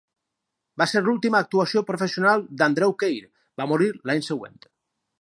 Va ser l'última actuació professional d'Andrew Keir; va morir l'any següent.